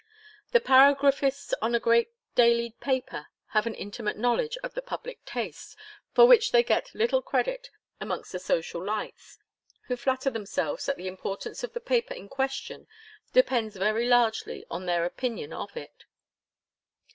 The paragraphists on a great daily paper have an intimate knowledge of the public taste, for which they get little credit amongst the social lights, who flatter themselves that the importance of the paper in question depends very largely on their opinion of it.